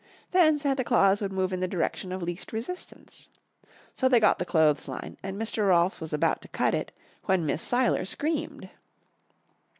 Then Santa Claus would move in the direction of least resistance. So they got the clothesline, and Mr. Rolfs was about to cut it, when Miss Seiler screamed.